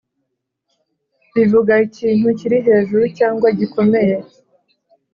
bivuga ikintu kiri hejuru cyangwa gikomeye